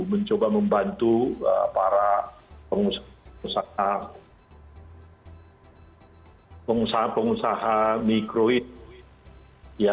mencoba membantu para pengusaha mikroin